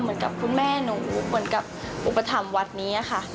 เหมือนกับคุณแม่หนูเหมือนกับอุปถัมภ์วัดนี้ค่ะ